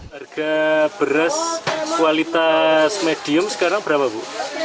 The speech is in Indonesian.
harga beras kualitas medium sekarang berapa bu